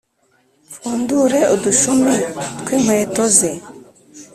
mpfundure udushumi tw inkweto ze